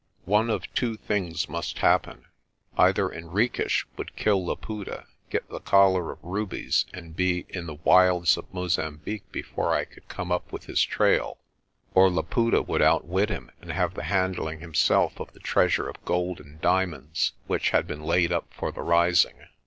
One of two things must happen: either Henriques would kill Laputa, get the collar of rubies and be in the wilds of Mozambique before I could come up with his trail j or Laputa would outwit him and have the handling himself of the treasure of gold and diamonds which had been laid up for the rising.